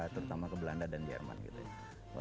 terutama ke belanda dan jerman gitu ya